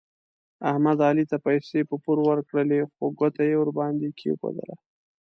احمد علي ته پیسې په پور ورکړلې خو ګوته یې ور باندې کېښودله.